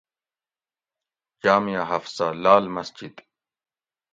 جامعہ حفصہ (لال مسجد)